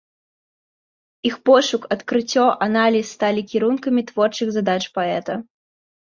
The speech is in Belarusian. Іх пошук, адкрыццё, аналіз сталі кірункамі творчых задач паэта.